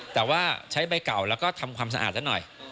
แต่ว่าใช้ใบเก่าแล้วก็ทำความสะอาดซะหน่อย